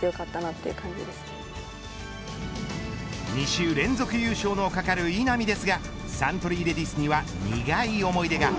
２週連続優勝の懸かる稲見ですがサントリーレディスには苦い思い出が。